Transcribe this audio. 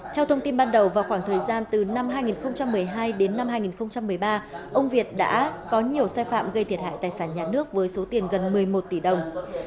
theo thông tin ban đầu vào khoảng thời gian từ năm hai nghìn một mươi hai đến năm hai nghìn một mươi ba ông việt đã có nhiều sai phạm gây thiệt hại tài sản nhà nước với số tiền gần một mươi một tỷ đồng